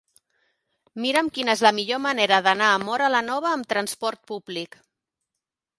Mira'm quina és la millor manera d'anar a Móra la Nova amb trasport públic.